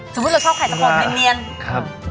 สมมุติเราชอบใครสักคนไม่เนียน